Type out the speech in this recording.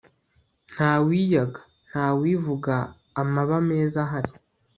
ntawiyaga (ntawivuga) amabi ameza ahari